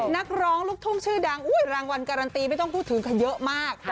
นักร้องลูกทุ่งชื่อดังรางวัลการันตีไม่ต้องพูดถึงค่ะเยอะมาก